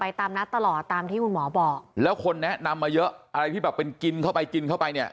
ตามนัดตลอดตามที่คุณหมอบอกแล้วคนแนะนำมาเยอะอะไรที่แบบเป็นกินเข้าไปกินเข้าไปเนี่ย